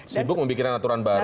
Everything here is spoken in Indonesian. sibuk membuat aturan baru